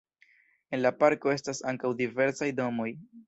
En la parko estas ankaŭ diversaj domoj.